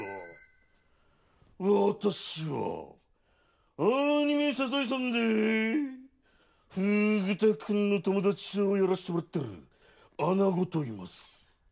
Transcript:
私はアニメ「サザエさん」でフグ田くんの友達をやらしてもらってる穴子といいます。